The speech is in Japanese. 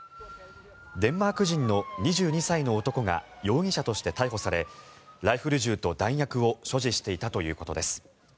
デンマーク人の２２歳の男が容疑者として逮捕されライフル銃と弾薬を所持していたということです。